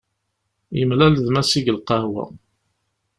Yemlal d Massi deg lqahwa.